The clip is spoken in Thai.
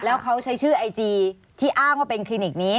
แล้วเขาใช้ชื่อไอจีที่อ้างว่าเป็นคลินิกนี้